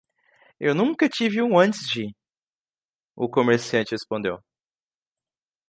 "Eu nunca tive um antes de?" o comerciante respondeu.